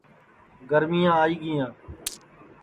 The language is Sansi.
گرمِِیاں آئی گِیاں